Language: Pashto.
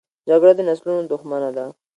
جګړه د نسلونو دښمنه ده